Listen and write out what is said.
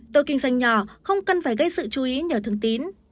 tôi kinh doanh nhỏ không cần phải gây sự chú ý nhờ thường tín